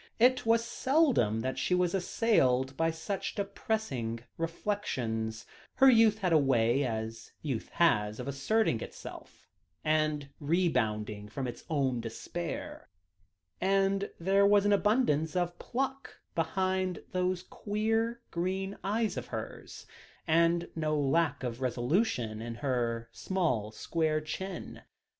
It was seldom that she was assailed by such depressing reflections; her youth had a way, as youth has, of asserting itself, and rebounding from its own despair; and there was an abundance of pluck behind those queer, green eyes of hers, and no lack of resolution in her small square chin.